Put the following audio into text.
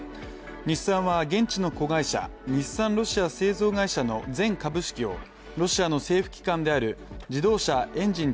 日産は、現地の子会社日産ロシア製造会社の全株式をロシアの政府機関である自動車エンジン